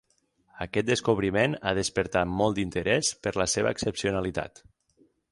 Aquest descobriment ha despertat molt d’interès per la seva excepcionalitat.